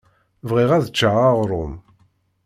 Bɣiɣ ad ččeɣ aɣṛum.